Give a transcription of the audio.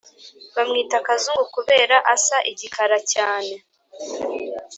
Bamwita kazungu kubera asa igikara cyane